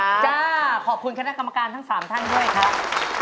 จ้าขอบคุณคณะกรรมการทั้ง๓ท่านด้วยครับ